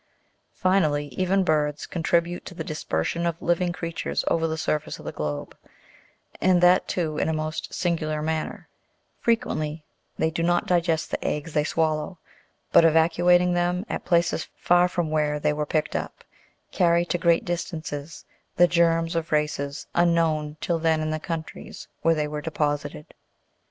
Finally, even birds contribute to the dispersion of living creatures over the surface of the globe, and that too in a most singular manner : frequently they do not digest the eggs they swallow, but, evacuating them at places far from where they were picked up, carry to great distances the germs of races unknown till then in the countries where they were deposited.